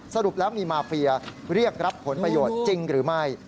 สรุปแล้วมีมาเฟียเรียกรับผลประโยชน์จริงหรือไม่